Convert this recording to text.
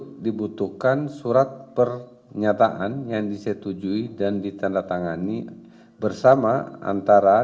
itu dibutuhkan surat pernyataan yang disetujui dan ditandatangani bersama antara